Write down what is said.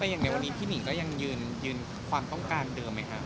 อย่างในวันนี้พี่หนิงก็ยังยืนความต้องการเดิมไหมคะ